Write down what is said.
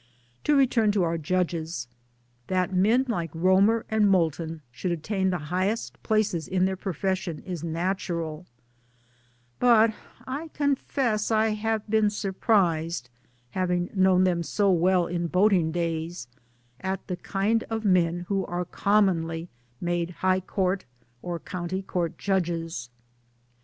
To return to our Judges. That men like Romer and Moulton should attain the highest places in their profession is natural ; but I confess I have been surprised (having known them so well in boating days) at the kind of men who are commonly made High Court or County Court Judges.